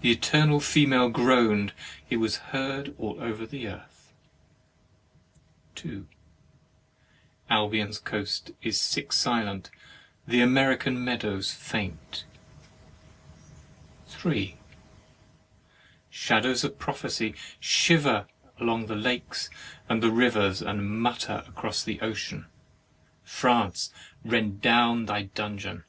The Eternal Female groan'd; it was heard over all the earth: 2. Albion's coast is sick silent; the American meadows faint. 3. Shadows of prophecy shiver along by the lakes and the rivers, and mutter across the ocean. France, rend down thy dungeon!